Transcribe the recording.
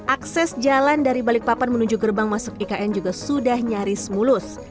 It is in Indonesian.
akses jalan dari balikpapan menuju gerbang masuk ikn juga sudah nyaris mulus